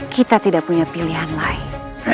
kita tidak punya pilihan lain